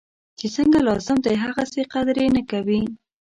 چی څنګه لازم دی هغسې قدر یې نه کوي.